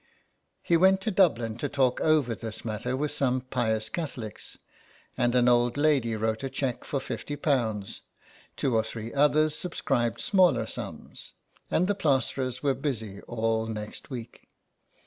He went to Dublin to talk over this matter with some pious Catholics, and an old lady wrote a cheque for fifty pounds, two or three others subscribed smaller sums, and the plasterers were busy all next week.